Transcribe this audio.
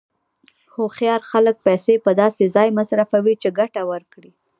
هوښیار خلک پیسې په داسې ځای مصرفوي چې ګټه ورکړي.